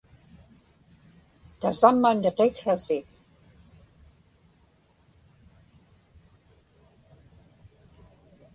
tasamma niqiksrasi